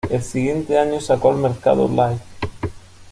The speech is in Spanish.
El siguiente año sacó al mercado "Live".